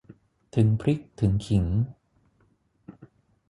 ถึงพริกถึงขิง